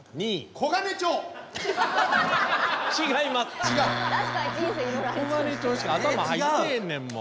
黄金町しか頭入ってへんねんもう。